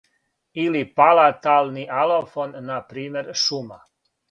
или палатални алофон на пример шума.